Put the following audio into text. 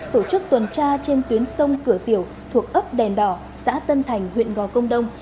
tổ chức tuần tra trên tuyến sông cửa tiểu thuộc ấp đèn đỏ xã tân thành huyện gò công đông